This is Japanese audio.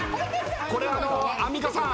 これアンミカさん。